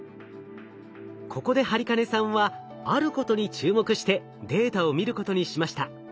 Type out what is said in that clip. ここで播金さんはあることに注目してデータを見ることにしました。